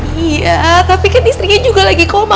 iya tapi kan istrinya juga lagi koma